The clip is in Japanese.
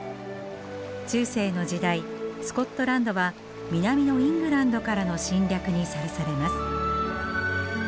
中世の時代スコットランドは南のイングランドからの侵略にさらされます。